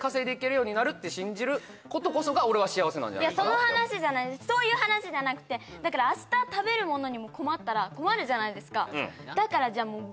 その話じゃないですそういう話じゃなくてだから明日食べるものにも困ったら困るじゃないですかだからじゃあ